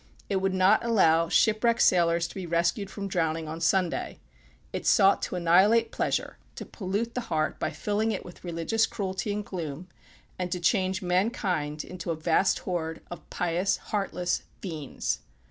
It would not allow ship wrecked sailors to be rescued from drowning on Sunday. It sought to annihilate pleasure, to pollute the heart by filling it with religious cruelty and gloom, and to change mankind into a vast horde of pious, heartless fiends.